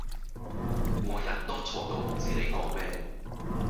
我人多嘈到唔知你講咩